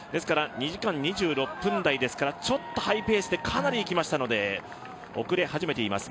２時間２６分台ですからちょっとハイペースでかなりいきましたので、遅れ始めています。